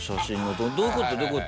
どういうこと？